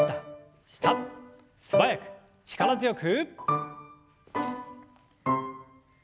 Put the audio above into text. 素早く力強く。